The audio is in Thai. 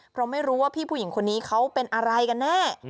เพราะไม่รู้ว่าพี่ผู้หญิงคนนี้เขาเป็นอะไรกันแน่